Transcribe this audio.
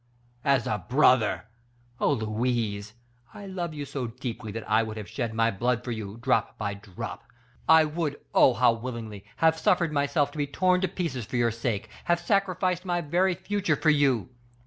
"As a brother! Oh, Louise! I love you so deeply, that I would have shed my blood for you, drop by drop; I would, oh! how willingly, have suffered myself to be torn to pieces for your sake, have sacrificed my very future for you.